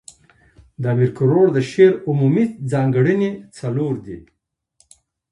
د امیر کروړ د شعر عمومي ځانګړني، څلور دي.